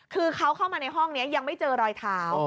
คือเขาเข้ามาในห้องนี้ยังไม่เจอรอยเท้า